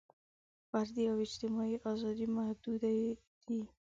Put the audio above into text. فردي او اجتماعي ازادۍ محدودې دي.